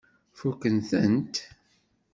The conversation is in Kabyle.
Fukken-tent?